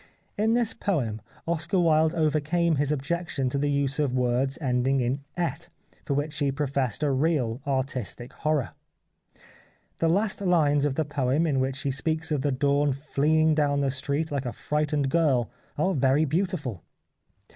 In this poem Oscar Wilde overcame his objection to the use of words ending in " ette " for which he professed a real artistic horror. The last lines of the poem in which he speaks of the dawn fleeing down the street like a frightened girl are very beautiful.